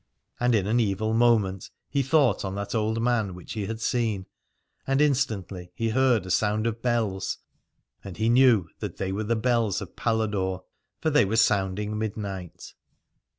And in an evil moment he thought on that old man which he had seen : and instantly he heard a sound of bells, and he knew that they were the bells of Paladore, for they were sounding midnight.